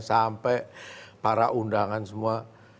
sampai para undangan semua